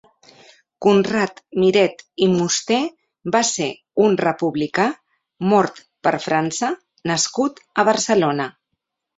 Conrad Miret i Musté va ser un republicà, Mort per França nascut a Barcelona.